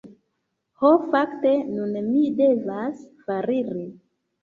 Ho fakte, nun mi devas foriri.